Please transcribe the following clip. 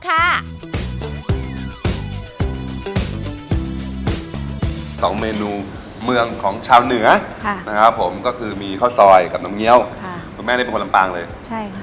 ทำไมหนูเมืองของชาวเหนือนะครับผมก็คือมีข้าวซอยกับน้ำเงี้ยวม่าในหม้วนลำตางเลยใช่